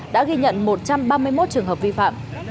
đã ghi nhận một trăm ba mươi một trường hợp vi phạm